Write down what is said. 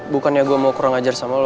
bukannya gue mau kurang ajar sama lo